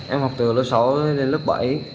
em học từ lớp sáu lên lớp bảy